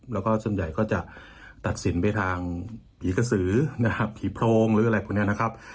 แล้วก็ส่วนใหญ่ก็จะตัดสินไปทางผีกระสือนะครับผีโพรงหรืออะไรพวกนี้นะครับ